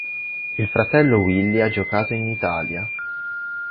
Il fratello Willie ha giocato in Italia.